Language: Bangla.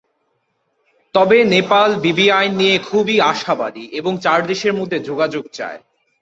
তবে নেপাল বিবিআইএন নিয়ে খুবই আশাবাদী এবং চার দেশের মধ্যে যোগাযোগ চায়।